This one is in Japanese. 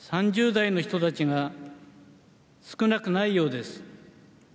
２０代、３０代の人たちが少なくないようです。